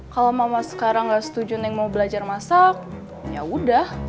kalo mama sekarang gak setuju neng mau belajar masak yaudah